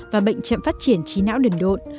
và bệnh chậm phát triển trí não đần độn